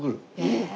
へえ！